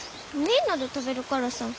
みんなで食べるからさ。